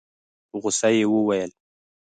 په غوسه يې وويل.